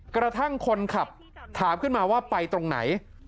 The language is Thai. กระทั่งคนขับถามขึ้นมาว่าไปตรงไหน